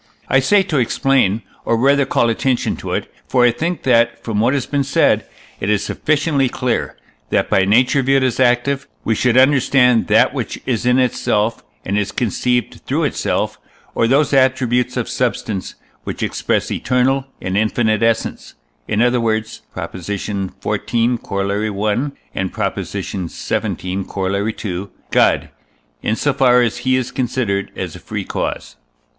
I say to explain, or rather call attention to it, for I think that, from what has been said, it is sufficiently clear, that by nature viewed as active we should understand that which is in itself, and is conceived through itself, or those attributes of substance, which express eternal and infinite essence, in other words (Prop. xiv., Coroll. i., and Prop. xvii., Coroll. ii) God, in so far as he is considered as a free cause.